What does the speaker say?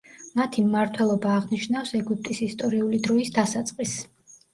მათი მმართველობა აღნიშნავს ეგვიპტის ისტორიული დროის დასაწყისს.